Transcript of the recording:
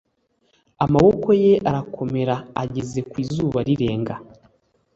amaboko ye arakomera ageza ku izuba rirenga